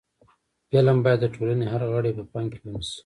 فلم باید د ټولنې هر غړی په پام کې ونیسي